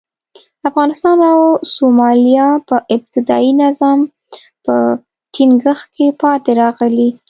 افغانستان او سومالیا په ابتدايي نظم په ټینګښت کې پاتې راغلي.